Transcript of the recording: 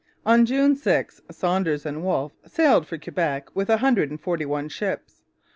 On June 6 Saunders and Wolfe sailed for Quebec with a hundred and forty one ships.